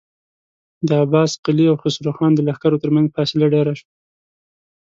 د عباس قلي او خسرو خان د لښکرو تر مينځ فاصله ډېره شوه.